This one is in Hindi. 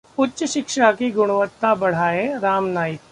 उच्च शिक्षा की गुणवत्ता बढ़ाएं: राम नाईक